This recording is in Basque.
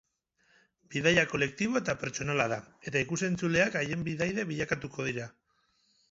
Bidaia kolektibo eta pertsonala da, eta ikus-entzuleak haien bidaide bilakatuko dira.